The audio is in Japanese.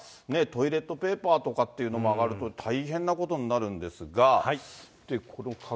トイレットペーパーとかも上がると、大変なことになるんですが。